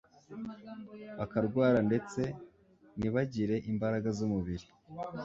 bakarwara, ndetse ntibagire imbaraga z'umubiri